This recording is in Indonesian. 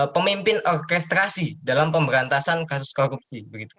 pemimpin orkestrasi dalam pemberantasan kasus korupsi